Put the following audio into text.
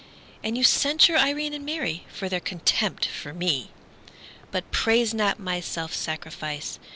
And you censure Irene and Mary For their contempt for me! But praise not my self sacrifice.